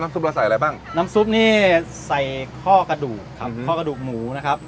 ซุปเราใส่อะไรบ้างน้ำซุปนี่ใส่ข้อกระดูกครับข้อกระดูกหมูนะครับ